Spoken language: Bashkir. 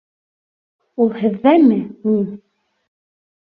Ул һеҙҙәме ни?